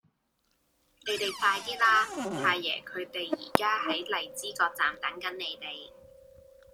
你哋快啲啦!太爺佢哋而家喺荔枝角站等緊你哋